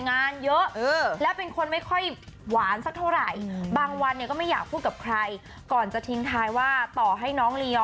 งานเยอะแล้วเป็นคนไม่ค่อยหวานซะเท่าไหร่